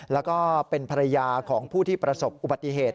แล้วก็เป็นภรรยาของผู้ที่ประสบอุบัติเหตุ